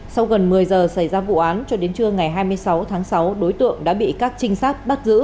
sau gần một mươi giờ xảy ra vụ án cho đến trưa ngày hai mươi sáu tháng sáu đối tượng đã bị các trinh sát bắt giữ